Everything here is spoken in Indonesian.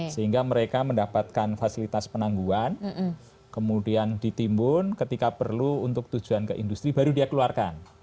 sehingga mereka mendapatkan fasilitas penangguhan kemudian ditimbun ketika perlu untuk tujuan ke industri baru dia keluarkan